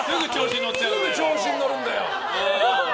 すぐ調子に乗るんだよ。